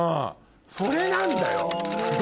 それなんだよ。